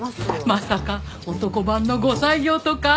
まさか男版の後妻業とか？